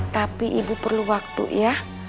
tapi ibu perlu waktu ya